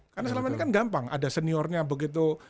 karena selama ini kan gampang ada seniornya begitu